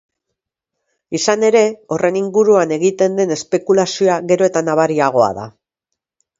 Izan ere, horren inguruan egiten den espekulazioa gero eta nabariagoa da.